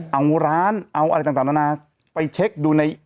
เอาร้านเอาอะไรต่างนานาไปเช็คดูใน